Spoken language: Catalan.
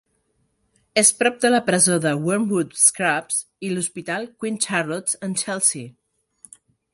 És prop de la presó de Wormwood Scrubs i l'hospital Queen Charlotte's and Chelsea.